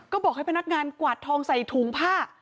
ก็บอกให้พนักงานกวาดทองใส่ถุงผ้า